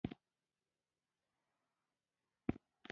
د سپیرې مځکې، پر ټټر ورګنډې